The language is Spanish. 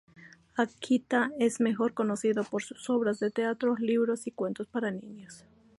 Akita es mejor conocido por sus obras de teatro, libros y cuentos para niños.